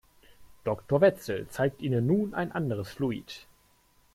Doktor Wetzel zeigt Ihnen nun ein anderes Fluid.